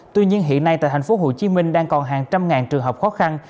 tuy nhiên hiện nay tại thành phố hồ chí minh đang còn hàng trăm ngàn trường hợp khó khăn